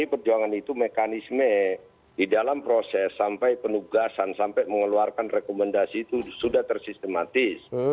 pdi perjuangan itu mekanisme di dalam proses sampai penugasan sampai mengeluarkan rekomendasi itu sudah tersistematis